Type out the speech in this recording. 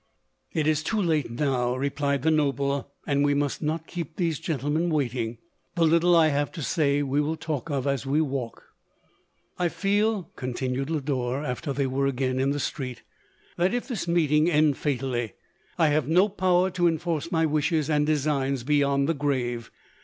" It is too late now," replied the noble ;" and we must not keep these gentlemen waiting. The little I have to say we will talk of as we walk.*' " I feel," continued Lodore, after they were again in the street, " that if this meeting end fatally, I have no power to enforce my wishes and designs beyond the grave.